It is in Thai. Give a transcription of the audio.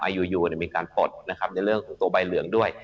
อยู่มีการปลดนะครับในเรื่องของตัวใบเหลืองด้วย